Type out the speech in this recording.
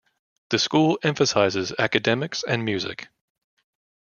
The school emphasizes academics and music.